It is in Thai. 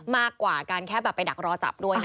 มากกว่าการแค่แบบไปดักรอจับด้วยนะ